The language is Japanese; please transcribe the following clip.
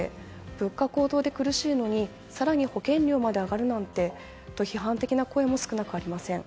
物価高騰で苦しいのに更に保険料まで上がるなんてと批判的な声も少なくありません。